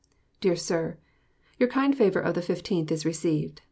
DEAR SIR: Your kind favor of the 15th is received.